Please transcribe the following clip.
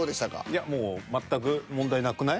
いやもう全く問題なくない？